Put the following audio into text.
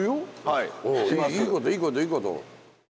いいこといいこといいこと。